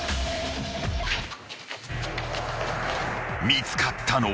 ［見つかったのは］